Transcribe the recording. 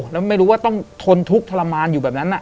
แล้วไม่รู้ว่าต้องทนทุกข์ทรมานอยู่แบบนั้น